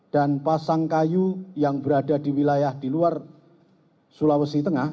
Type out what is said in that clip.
dan pasangkayu yang berada di wilayah di luar sulawesi tengah